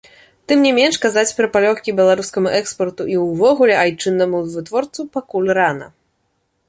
Тым не менш казаць пра палёгкі беларускаму экспарту і ўвогуле айчыннаму вытворцу пакуль рана.